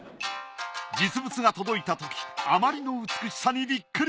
実物が届いたときあまりの美しさにビックリ。